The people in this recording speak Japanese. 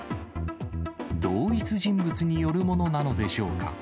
同一人物によるものなのでしょうか。